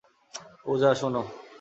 পূজা, শোনো।